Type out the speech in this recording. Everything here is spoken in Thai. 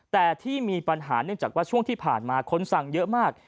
แต่ที่มีปัญหาเนื่องจากว่าช่วงที่ผ่านมาคนสั่งเยอะมาก